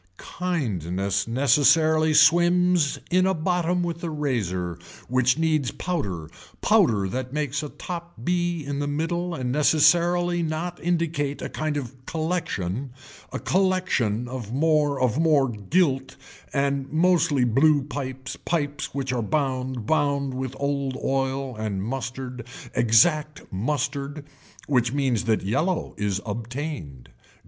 Kindness necessarily swims in a bottom with a razor which needs powder powder that makes a top be in the middle and necessarily not indicate a kind of collection, a collection of more of more gilt and mostly blue pipes pipes which are bound bound with old oil and mustard exact mustard which means that yellow is obtained.